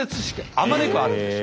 あまねくあるんですよ。